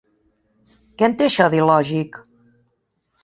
Què en té això, d'il·lògic?